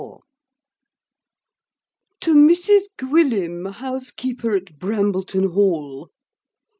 To Mrs GWYLLIM, house keeper at Brambleton hall.